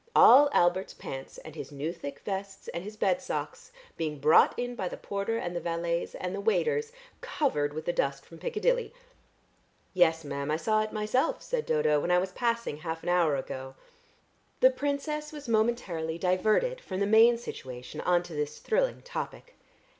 All Albert's pants and his new thick vests and his bed socks being brought in by the porter and the valets and the waiters, covered with the dust from Piccadilly!" "Yes, ma'am, I saw it myself," said Dodo, "when I was passing half an hour ago." The Princess was momentarily diverted from the main situation on to this thrilling topic.